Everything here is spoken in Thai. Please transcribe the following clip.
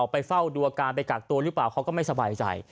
ไปเฝ้าดูอาการไปกักตัวหรือเปล่าเขาก็ไม่สบายใจ